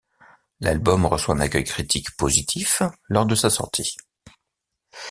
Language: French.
L'album reçoit un accueil critique positif lors de sa sortie.